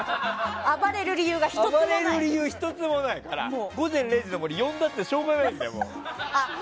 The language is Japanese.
暴れる理由が１つもないから「午前０時の森」に呼んだってしょうがないんだよ。